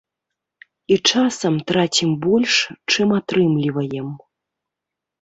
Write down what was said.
І часам трацім больш, чым атрымліваем.